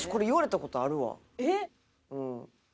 えっ！